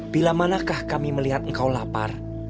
bila manakah kami melihat engkau lapar